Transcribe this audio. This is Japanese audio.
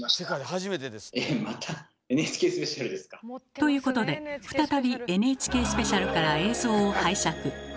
ということで再び「ＮＨＫスペシャル」から映像を拝借。